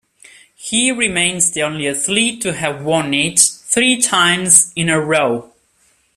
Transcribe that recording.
He remains the only athlete to have won it three times in a row.